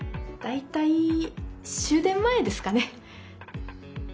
大体終電前ですかね。